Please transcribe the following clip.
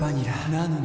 なのに．．．